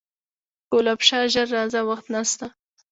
ګلاب شاه ژر راځه وخت نسته